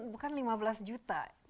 bukan lima belas juta